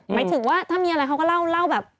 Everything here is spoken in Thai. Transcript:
หมายถึงว่าถ้ามีอะไรเขาก็เล่าแบบ